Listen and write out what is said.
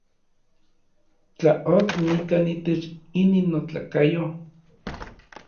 Tla ok nikaj itech inin notlakayo.